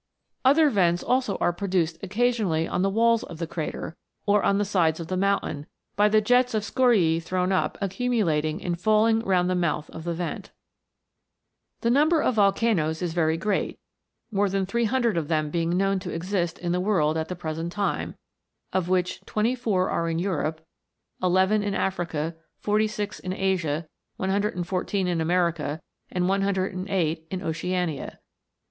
Other vents also are pro duced occasionally on the walls of the crater, or on the sides of the mountain, by the jets of scoriae thrown up accumulating in falling round the mouth of the vent. The number of volcanoes is very great, more than 300 of them being known to exist in the world at the present time, of which 24 are in Europe, 11 in Africa, 46 in Asia, 114 in America, and 108 in Oceania.